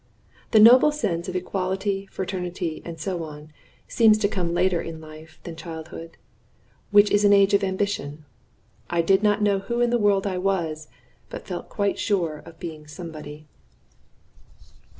The noble sense of equality, fraternity, and so on, seems to come later in life than childhood, which is an age of ambition. I did not know who in the world I was, but felt quite sure of being somebody.